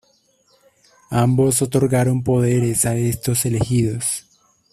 Ambos otorgaron poderes a estos "Elegidos".